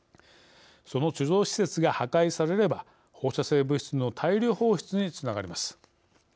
その貯蔵施設が破壊されれば放射性物質の大量放出につながります。